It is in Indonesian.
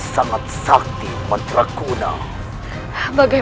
senopati yang pilih tadi